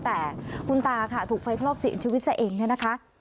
แต่คุณตาค่ะถูกไฟคลอกศีลชีวิตใส่เองนะคะ